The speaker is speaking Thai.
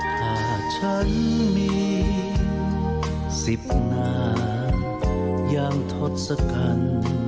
ถ้าฉันมีสิบนาทยังทดสกัน